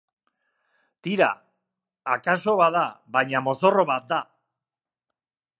Tira, akaso bada, baina mozorro bat da.